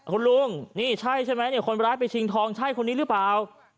คุณลุงนี่ใช่ใช่ไหมเนี่ยคนร้ายไปชิงทองใช่คนนี้หรือเปล่า